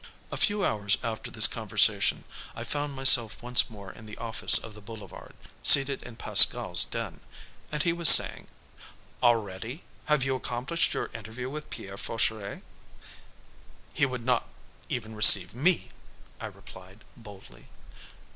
A few hours after this conversation, I found myself once more in the office of the Boulevard, seated in Pascal's den, and he was saying, "Already? Have you accomplished your interview with Pierre Fauchery?" "He would not even receive me," I replied, boldly.